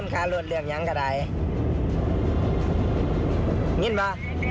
กินมะ